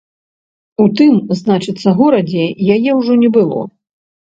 У тым, значыцца, горадзе яе ўжо не было.